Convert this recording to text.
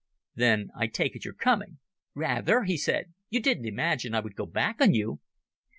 "Then I take it you're coming?" "Rather," he said. "You didn't imagine I would go back on you?"